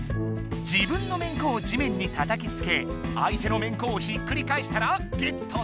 自分のめんこを地面にたたきつけ相手のめんこをひっくり返したらゲットできる遊び。